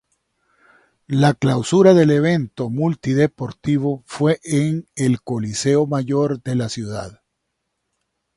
La clausura del evento multideportivo fue en el Coliseo Mayor de la ciudad.